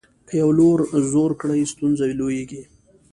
که یو لور زور کړي ستونزه لویېږي.